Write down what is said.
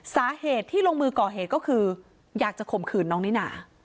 สาเหตุที่ลงมือก่อเหตุก็คืออยากจะข่มขืนน้องนิน่า